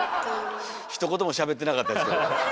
ひと言もしゃべってなかったですけども。